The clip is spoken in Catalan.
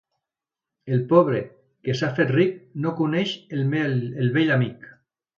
El pobre que s'ha fet ric no coneix el vell amic.